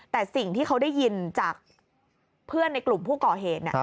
แต่สิ่งที่เขาได้ยินจากเพื่อนในกลุ่มผู้ก่อเหตุ